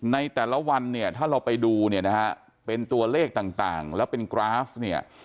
ในแต่ละวันเนี่ยถ้าเราไปดูเนี่ยนะฮะเป็นตัวเลขต่างแล้วเป็นกราฟเนี่ย